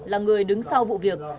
là người đứng sau vụ việc